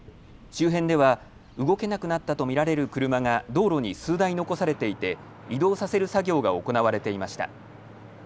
周辺では動けなくなったと見られる車が道路に数台残されていて移動させる作業が行われていました。